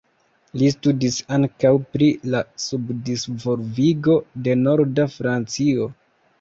Li studis ankaŭ pri la subdisvolvigo de Norda Francio.